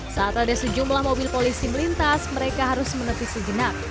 saat ada sejumlah mobil polisi melintas mereka harus menepis sejenak